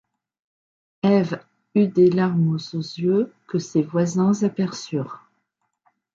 Ève eut des larmes aux yeux que ses voisins aperçurent.